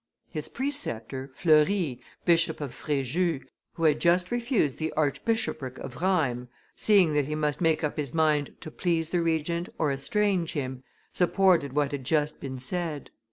His preceptor, Fleury, Bishop of Frejus, who had just refused the Archbishopric of Rheims, seeing that he must make up his mind to please the Regent or estrange him, supported what had just been said.